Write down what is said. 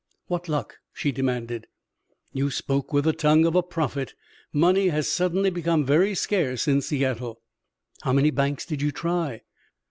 "What luck?" she demanded. "You spoke with the tongue of a prophet. Money has suddenly become very scarce in Seattle." "How many banks did you try?"